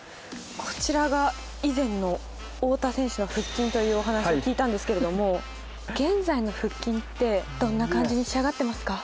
こちらが以前の太田選手の腹筋というお話聞いたんですけれども現在の腹筋ってどんな感じに仕上がってますか？